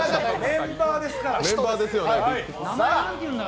メンバーですよね。